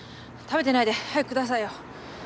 食べてないで早く下さいよ。